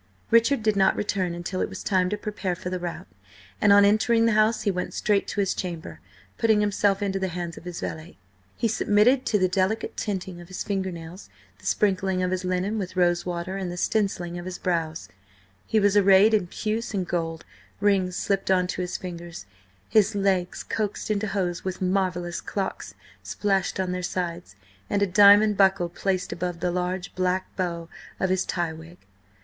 Richard did not return until it was time to prepare for the rout, and on entering the house he went straight to his chamber, putting himself into the hands of his valet. He submitted to the delicate tinting of his finger nails, the sprinkling of his linen with rosewater and the stencilling of his brows. He was arrayed in puce and gold, rings slipped on to his fingers, his legs coaxed into hose with marvellous clocks splashed on their sides, and a diamond buckle placed above the large black bow of his tie wig.